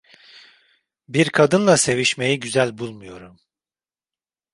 Bir kadınla sevişmeyi güzel bulmuyorum.